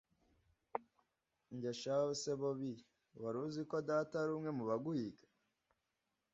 njye shahu se bobi, waruzi ko data ari umwe mubaguhiga!